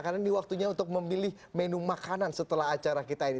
karena ini waktunya untuk memilih menu makanan setelah acara kita ini